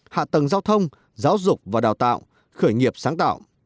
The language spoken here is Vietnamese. hạ tầng giao thông giáo dục và đào tạo khởi nghiệp sáng tạo